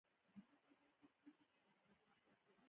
پروړ په ژمی کی ګران شی.